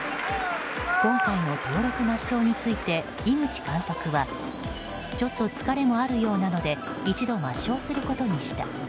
今回の登録抹消について井口監督はちょっと疲れもあるようなので一度、抹消することにした。